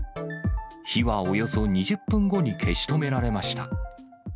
火はおよそ２０分後に消し止められました。